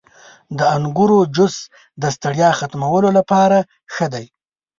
• د انګورو جوس د ستړیا ختمولو لپاره ښه دی.